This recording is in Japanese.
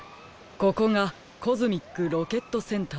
ここがコズミックロケットセンターですか。